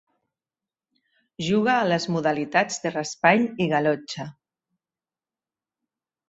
Juga a les modalitats de raspall i galotxa.